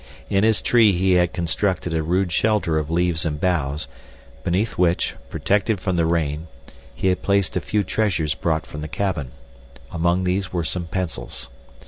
In his tree he had constructed a rude shelter of leaves and boughs, beneath which, protected from the rain, he had placed the few treasures brought from the cabin. Among these were some pencils.